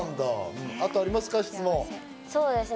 質問ありますか？